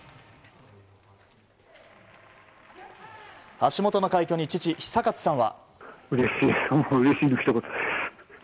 橋本の快挙に父・久一さんは。